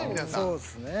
そうっすね。